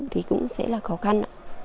thì cũng sẽ là khó khăn ạ